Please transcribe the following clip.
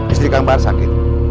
istri kang bahar sakit